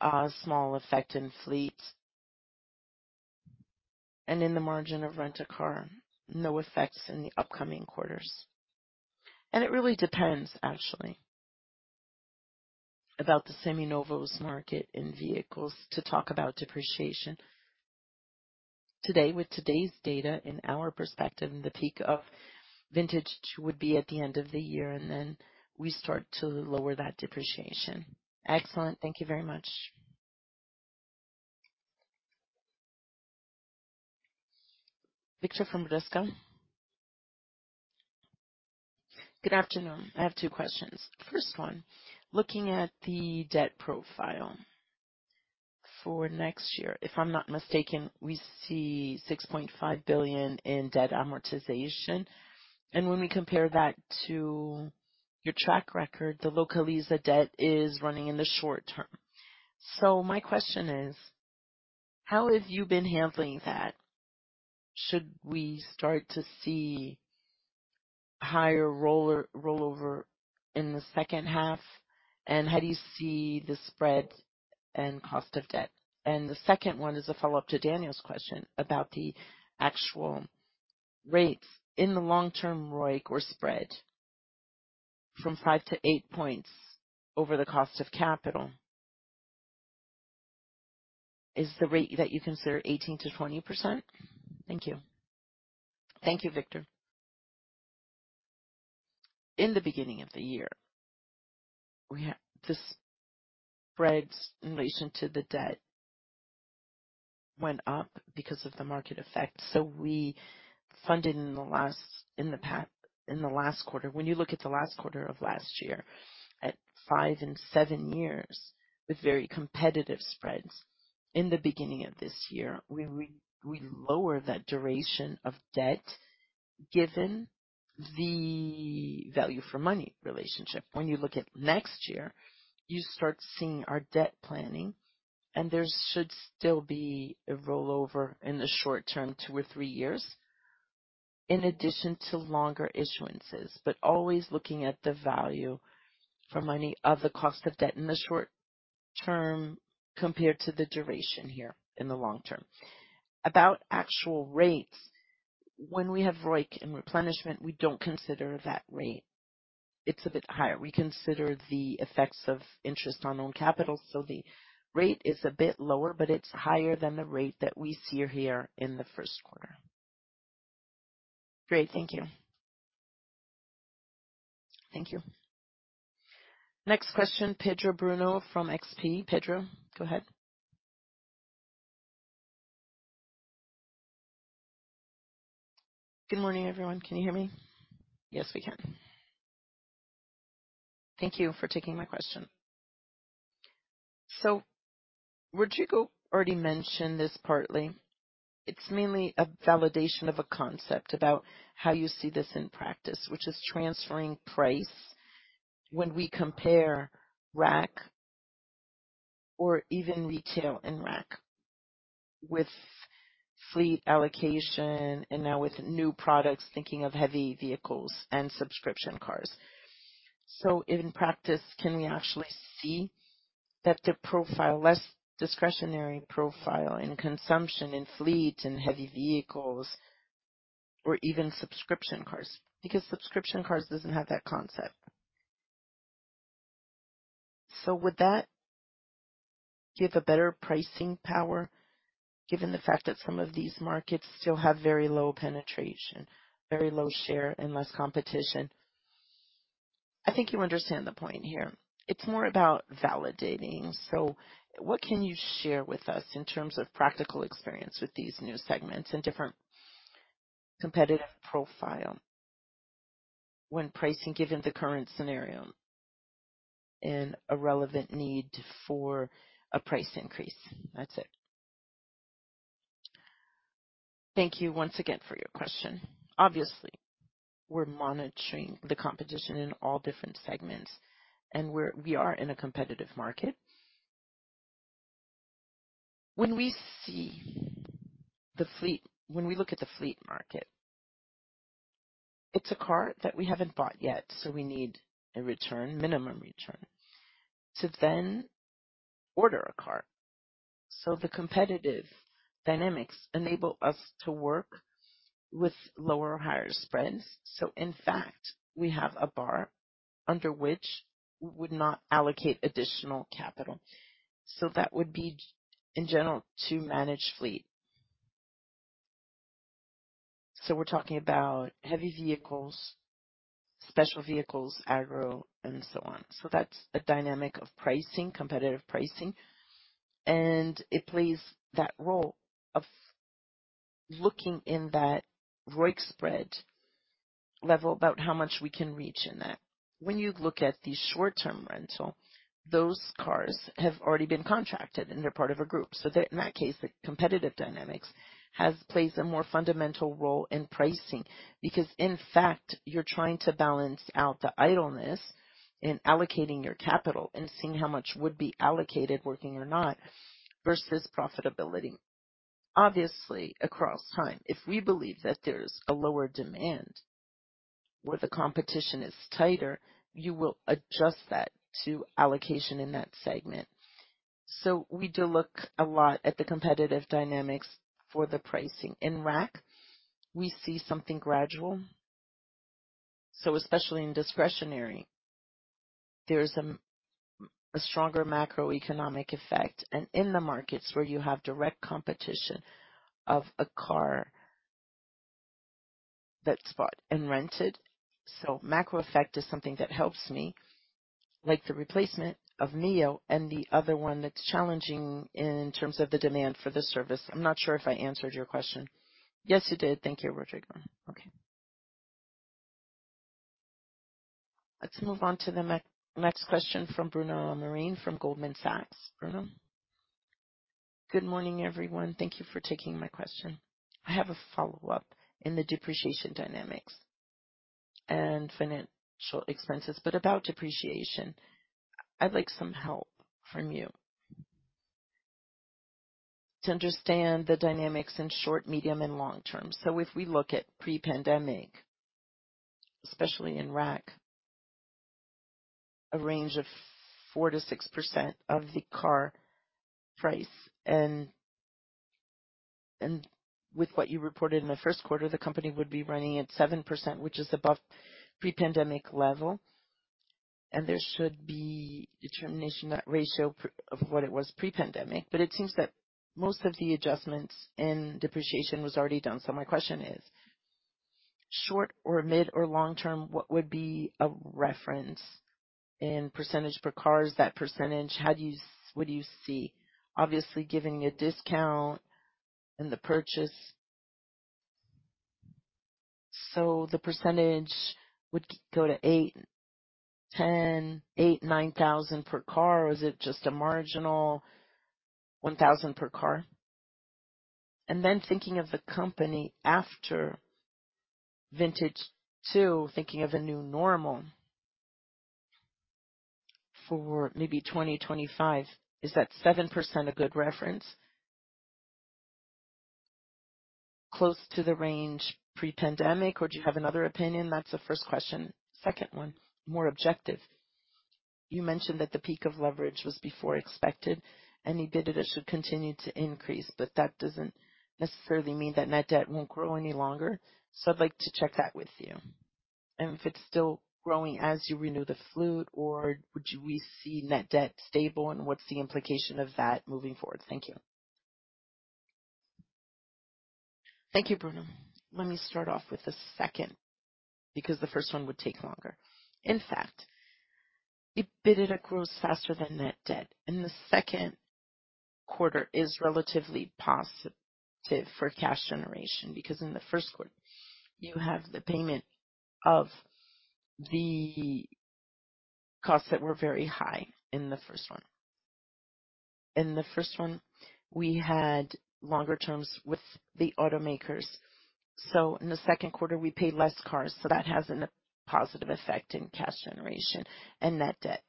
B: a small effect in fleet and in the margin of Rent-a-Car. No effects in the upcoming quarters. It really depends actually about the Seminovos market and vehicles to talk about depreciation.
A: Today, with today's data in our perspective, the peak of vintage 2 would be at the end of the year, then we start to lower that depreciation.
I: Excellent. Thank you very much.
A: Victor from Bradesco.
J: Good afternoon. I have two questions. First one, looking at the debt profile for next year. If I'm not mistaken, we see 6.5 billion in debt amortization. When we compare that to your track record, the Localiza debt is running in the short term. My question is: How have you been handling that? Should we start to see higher rollover in the second half? How do you see the spread and cost of debt? The second one is a follow-up to Daniel's question about the actual rates in the long-term ROIC or spread from 5 to 8 points over the cost of capital. Is the rate that you consider 18%-20%? Thank you.
B: Thank you, Victor. In the beginning of the year, the spreads in relation to the debt went up because of the market effect. We funded in the last quarter. When you look at the last quarter of last year, at five and seven years with very competitive spreads. In the beginning of this year, we lowered that duration of debt given the value for money relationship. When you look at next year, you start seeing our debt planning, there should still be a rollover in the short-term, two or three years, in addition to longer issuances. Always looking at the value for money of the cost of debt in the short-term compared to the duration here in the long term. About actual rates, when we have ROIC and replenishment, we don't consider that rate. It's a bit higher. We consider the effects of interest on own capital, the rate is a bit lower, but it's higher than the rate that we see or hear in the first quarter.
J: Great. Thank you.
A: Thank you. Next question, Pedro Bruno from XP. Pedro, go ahead.
K: Good morning, everyone. Can you hear me?
A: Yes, we can.
K: Thank you for taking my question. Rodrigo already mentioned this partly. It's mainly a validation of a concept about how you see this in practice, which is transferring price when we compare RAC or even retail and RAC with fleet allocation and now with new products, thinking of heavy vehicles and subscription cars. In practice, can we actually see that the profile, less discretionary profile in consumption in fleet and heavy vehicles or even subscription cars? Subscription cars doesn't have that concept. Would that give a better pricing power given the fact that some of these markets still have very low penetration, very low share and less competition? I think you understand the point here. It's more about validating. What can you share with us in terms of practical experience with these new segments and different competitive profile when pricing given the current scenario and a relevant need for a price increase? That's it.
B: Thank you once again for your question. Obviously, we're monitoring the competition in all different segments, and we are in a competitive market. When we look at the fleet market, it's a car that we haven't bought yet, we need a return, minimum return, to then order a car. The competitive dynamics enable us to work with lower or higher spreads. In fact, we have a bar under which we would not allocate additional capital. That would be in general to manage fleet. We're talking about heavy vehicles, special vehicles, agro and so on. That's a dynamic of pricing, competitive pricing, and it plays that role of looking in that ROIC spread level about how much we can reach in that. When you look at the short-term rental, those cars have already been contracted and they're part of a group. In that case, the competitive dynamics plays a more fundamental role in pricing because in fact, you're trying to balance out the idleness in allocating your capital and seeing how much would be allocated, working or not, versus profitability. Obviously, across time, if we believe that there's a lower demand where the competition is tighter, you will adjust that to allocation in that segment. We do look a lot at the competitive dynamics for the pricing. In RAC, we see something gradual. Especially in discretionary, there's a stronger macroeconomic effect. In the markets where you have direct competition of a car that's bought and rented. Macro effect is something that helps me, like the replacement of Localiza Meoo and the other one that's challenging in terms of the demand for the service. I'm not sure if I answered your question.
K: Yes, you did. Thank you, Rodrigo.
A: Okay. Let's move on to the next question from Bruno Amorim from Goldman Sachs. Bruno.
L: Good morning, everyone. Thank you for taking my question. I have a follow-up in the depreciation dynamics and financial expenses. About depreciation, I'd like some help from you to understand the dynamics in short, medium, and long term. If we look at pre-pandemic, especially in RAC a range of 4%-6% of the car price. With what you reported in the first quarter, the company would be running at 7%, which is above pre-pandemic level. There should be determination that ratio of what it was pre-pandemic. It seems that most of the adjustments in depreciation was already done. My question is short or mid or long-term, what would be a reference in percentage per cars? That percentage, how do would you see obviously giving a discount in the purchase, so the percentage would go to 8,000, 10,000, 8,000, 9,000 per car, or is it just a marginal 1,000 per car? Thinking of the company after vintage 2, thinking of a new normal for maybe 2025, is that 7% a good reference close to the range pre-pandemic, or do you have another opinion? That's the first question. Second one, more objective. You mentioned that the peak of leverage was before expected and EBITDA should continue to increase, but that doesn't necessarily mean that net debt won't grow any longer. I'd like to check that with you and if it's still growing as you renew the fleet, or would you receive net debt stable, and what's the implication of that moving forward? Thank you.
B: Thank you, Bruno. Let me start off with the second, because the first one would take longer. In fact, EBITDA grows faster than net debt, and the second quarter is relatively positive for cash generation because in the first quarter you have the payment of the costs that were very high in the first one. In the first one, we had longer terms with the automakers, so in the second quarter we paid less cars, so that has a positive effect in cash generation and net debt.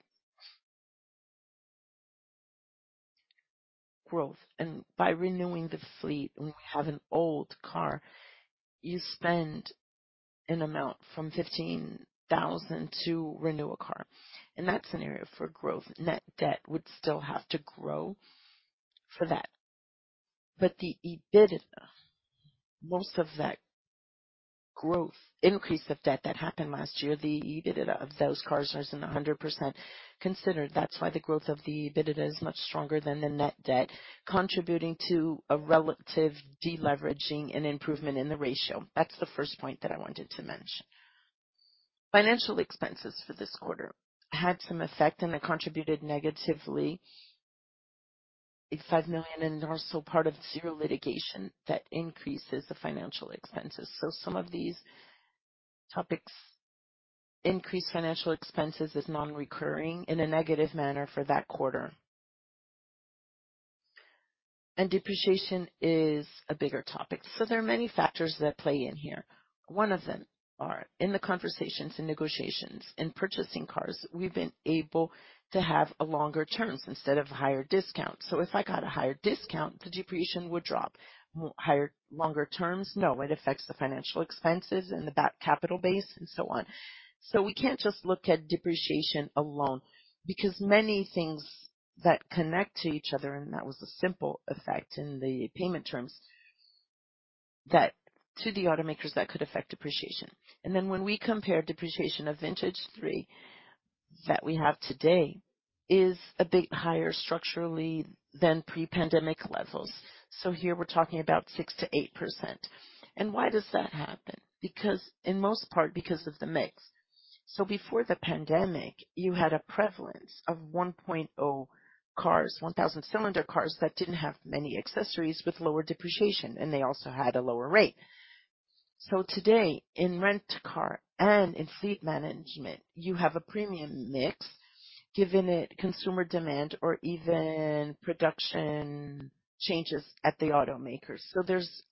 B: By renewing the fleet, when we have an old car, you spend an amount from 15,000 to renew a car, and that's an area for growth. Net debt would still have to grow for that. The EBITDA, most of that growth increase of debt that happened last year, the EBITDA of those cars isn't 100% considered. That's why the growth of the EBITDA is much stronger than the net debt, contributing to a relative deleveraging and improvement in the ratio. That's the first point that I wanted to mention. Financial expenses for this quarter had some effect. It contributed negatively, 5 million, and also part of Zero Litigation that increases the financial expenses. Some of these topics increase financial expenses as non-recurring in a negative manner for that quarter. Depreciation is a bigger topic. There are many factors that play in here. One of them are in the conversations and negotiations. In purchasing cars, we've been able to have a longer terms instead of higher discount. If I got a higher discount, the depreciation would drop. Higher, longer terms, no. It affects the financial expenses and the back capital base and so on. We can't just look at depreciation alone because many things that connect to each other, and that was a simple effect in the payment terms, that to the automakers, that could affect depreciation. When we compare depreciation of vintage 3 that we have today is a bit higher structurally than pre-pandemic levels. Here we're talking about 6%-8%. Why does that happen? In most part because of the mix. Before the pandemic, you had a prevalence of 1.0 cars, 1,000 cylinder cars that didn't have many accessories with lower depreciation, and they also had a lower rate. Today in rent-to-car and in fleet management, you have a premium mix given it consumer demand or even production changes at the automakers. There's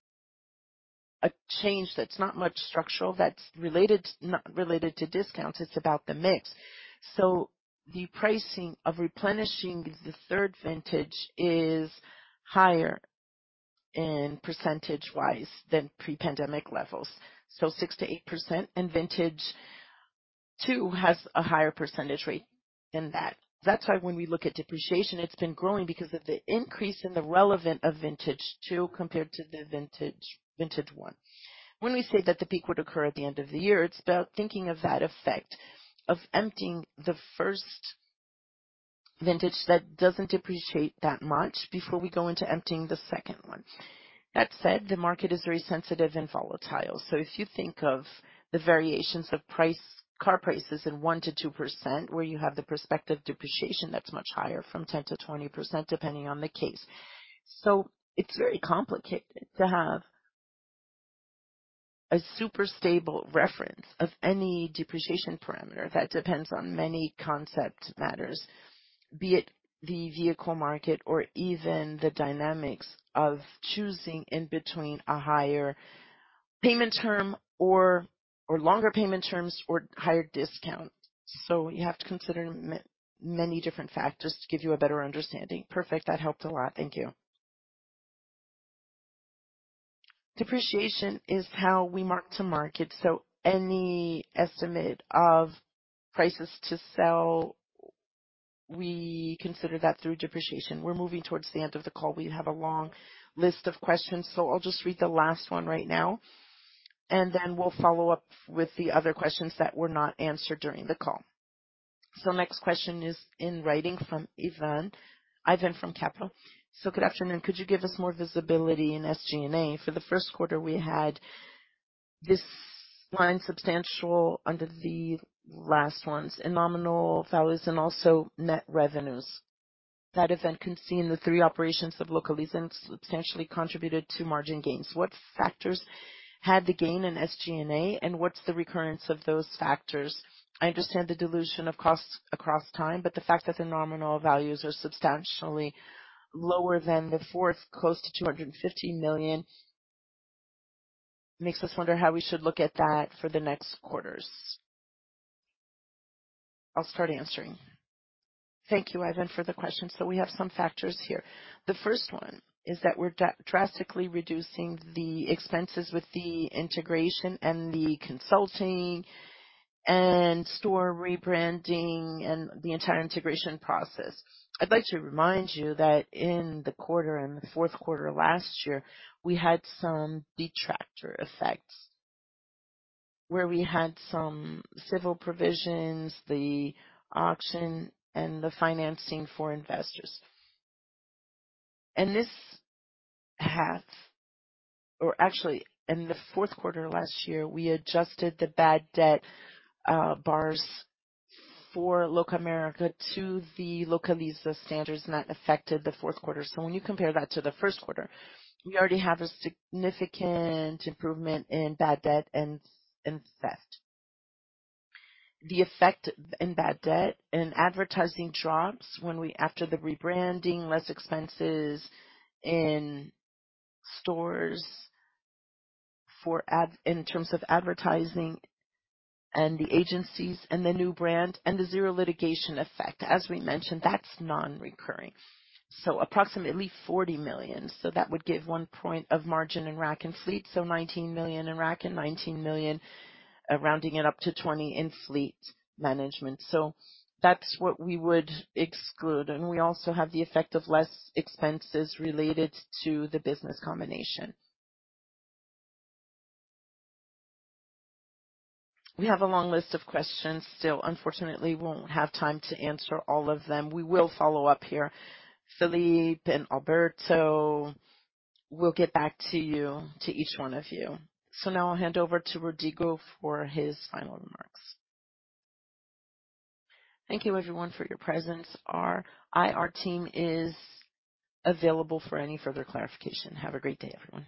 B: a change that's not much structural, that's related, not related to discount, it's about the mix. The pricing of replenishing the third vintage is higher in percentage wise than pre-pandemic levels. 6%-8% in vintage 2 has a higher percentage rate than that. That's why when we look at depreciation, it's been growing because of the increase in the relevant of vintage 2 compared to the vintage 1. When we say that the peak would occur at the end of the year, it's about thinking of that effect of emptying the first vintage that doesn't depreciate that much before we go into emptying the second one. That said, the market is very sensitive and volatile. If you think of the variations of price, car prices in 1%-2%, where you have the prospective depreciation, that's much higher from 10%-20%, depending on the case. It's very complicated to have a super stable reference of any depreciation parameter that depends on many concept matters, be it the vehicle market or even the dynamics of choosing in between a higher payment term or longer payment terms or higher discount. You have to consider many different factors to give you a better understanding.
L: Perfect. That helped a lot.
A: Thank you. Depreciation is how we mark to market, so any estimate of prices to sell, we consider that through depreciation. We're moving towards the end of the call. We have a long list of questions, so I'll just read the last one right now, and then we'll follow up with the other questions that were not answered during the call. Next question is in writing from Ivan. Ivan from Capital. "Good afternoon. Could you give us more visibility in SG&A? For the first quarter, we had this line substantial under the last ones in nominal values and also net revenues. That event can see in the three operations of Localiza and substantially contributed to margin gains. What factors had the gain in SG&A and what's the recurrence of those factors? I understand the dilution of costs across time, but the fact that the nominal values are substantially lower than the fourth, close to 250 million, makes us wonder how we should look at that for the next quarters." I'll start answering. Thank you, Ivan, for the question. We have some factors here. The first one is that we're drastically reducing the expenses with the integration and the consulting and store rebranding and the entire integration process. I'd like to remind you that in the quarter, in the fourth quarter last year, we had some detractor effects where we had some civil provisions, the auction and the financing for investors. Actually, in the fourth quarter last year, we adjusted the bad debt bars for Locamerica to the Localiza standards, and that affected the fourth quarter. When you compare that to the first quarter, we already have a significant improvement in bad debt and theft. The effect in bad debt and advertising drops when after the rebranding, less expenses in stores for in terms of advertising and the agencies and the new brand and the Zero Litigation effect. As we mentioned, that's non-recurring. Approximately 40 million. That would give 1 point of margin in RAC and fleet. 19 million in RAC and 19 million rounding it up to 20 in fleet management. That's what we would exclude. We also have the effect of less expenses related to the business combination. We have a long list of questions still. Unfortunately, won't have time to answer all of them. We will follow up here. Philippe and Alberto, we'll get back to you, to each one of you. Now I'll hand over to Rodrigo for his final remarks.
B: Thank you everyone for your presence. Our IR team is available for any further clarification. Have a great day, everyone.